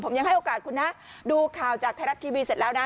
ผมยังให้โอกาสคุณนะดูข่าวจากไทยรัฐทีวีเสร็จแล้วนะ